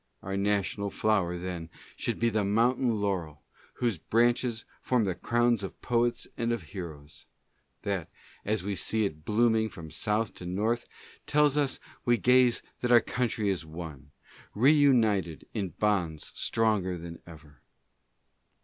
Our national flower, then, should be the Mountain Laurel, whose branches form the crown of poets and of heroes — that, as we see BAX TER—ALDRICH—A DLER. 63 it blooming from South to North, tells us as we gaze that our country is one, reunited in bonds stronger than ever.